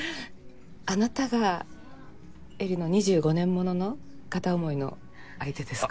あなたが絵里の２５年モノの片想いの相手ですか。